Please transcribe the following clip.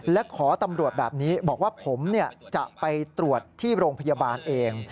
และขอตำรวจแบบนี้บอกว่าผมจะไปตรวจที่โรงพยาบาลเอง